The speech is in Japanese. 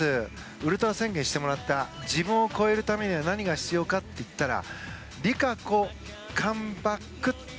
ウルトラ宣言をしてもらった自分を超えるためには何が必要かと言ったらＲＩＫＡＣＯＣＯＭＥＢＡＣＫって。